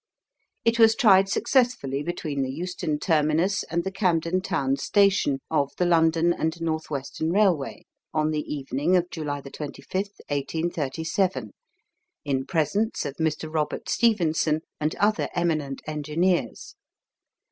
It was tried successfully between the Euston terminus and the Camden Town station of the London and North Western Railway on the evening of July 25th, 1837, in presence of Mr. Robert Stephenson, and other eminent engineers.